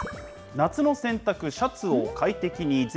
夏の洗濯、シャツを快適に。